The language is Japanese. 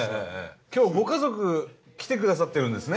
今日ご家族来て下さってるんですね。